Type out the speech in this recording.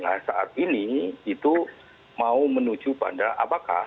nah saat ini itu mau menuju pada apakah